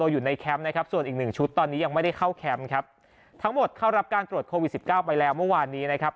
แคมป์นะครับส่วนอีกหนึ่งชุดตอนนี้ยังไม่ได้เข้าแคมป์ครับทั้งหมดเข้ารับการตรวจโควิดสิบเก้าไปแล้วเมื่อวานนี้นะครับ